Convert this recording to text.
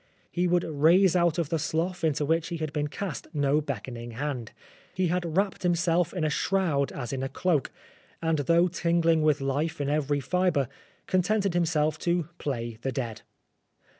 He would raise out of the slough into which he had been cast no beckoning hand. He had wrapped himself in a shroud as in a cloak ; and though tingling with life in every fibre, contented 243 Oscar Wilde himself to play the dead.